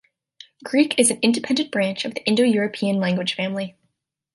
Greek is an independent branch of the Indo-European language family.